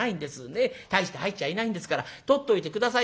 ねえ大して入っちゃいないんですから取っといて下さいな」。